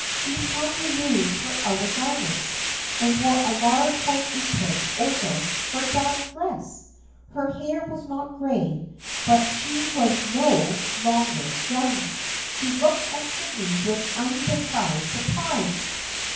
She had removed her outdoor garments and wore a large white apron over her dark dress. Her hair was not gray but she was no THE FRIENDSHIP OF ANNE 177 longer young. She looked at Sydney with undis guised surprise.